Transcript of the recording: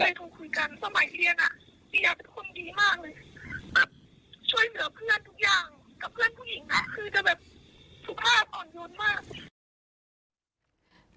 แบบช่วยเหนือเพื่อนทุกอย่างกับเพื่อนผู้หญิงนะคือจะแบบสุภาพอ่อนโยนมาก